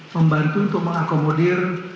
membantu untuk mengakomodir